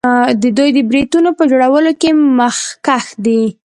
دوی د بیټریو په جوړولو کې مخکښ دي.